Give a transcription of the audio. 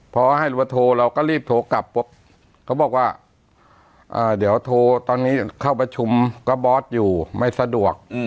พอให้รู้ว่าโทรเราก็รีบโทรกลับปุ๊บเขาบอกว่าเดี๋ยวโทรตอนนี้เข้าประชุมก็บอสอยู่ไม่สะดวก